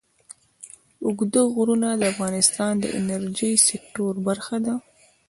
اوږده غرونه د افغانستان د انرژۍ سکتور برخه ده.